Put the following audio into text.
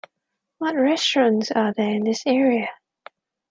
What restaurants are in this area?